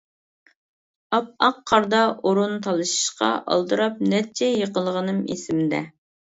ئاپئاق قاردا ئورۇن تالىشىشقا ئالدىراپ نەچچە يىقىلغىنىم ئېسىمدە.